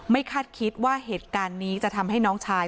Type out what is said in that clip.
คาดคิดว่าเหตุการณ์นี้จะทำให้น้องชาย